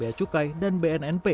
lantamal tiga belas tarakan bersama bnnp